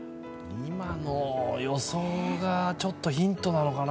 今の予想がちょっとヒントなのかな？